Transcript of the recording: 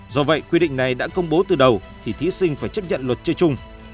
do vậy quy định này đã công bố từ đầu thì thí sinh phải chấp nhận luật chưa chung